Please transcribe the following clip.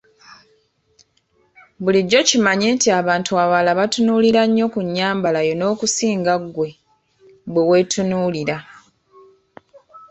Bulijjo kimanye nti abantu abalala bakutunuulira nnyo ku nnyambala yo n‘okusinga ggwe bwe weetunuulira.